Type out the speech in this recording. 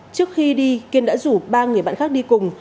trước khi đi kiên đã rủ ba người bạn khác đi cùng